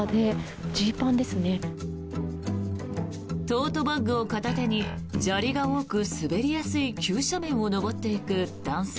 トートバッグを片手に砂利が多く滑りやすい急斜面を上っていく男性